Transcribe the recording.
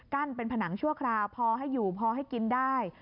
เป็นผนังชั่วคราวพอให้อยู่พอให้กินได้